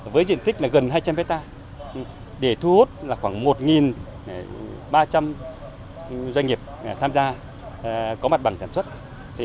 với diện tích gần hai trăm linh hectare để thu hút khoảng một ba trăm linh doanh nghiệp tham gia có mặt bằng sản xuất